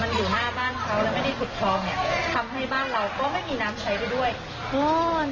มันอยู่หน้าบ้านเขาแล้วไม่ได้ขุดคลองเนี้ยทำให้บ้านเราก็ไม่มีน้ำใช้ไปด้วยนู่น